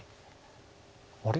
あれ？